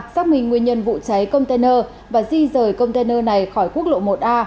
xác minh nguyên nhân vụ cháy container và di rời container này khỏi quốc lộ một a